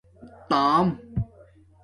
تݳم